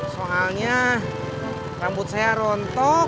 soalnya rambut saya rontok